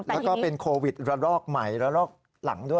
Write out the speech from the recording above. แล้วก็เป็นโควิดระลอกใหม่ระลอกหลังด้วย